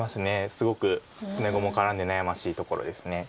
すごく詰碁も絡んで悩ましいところです。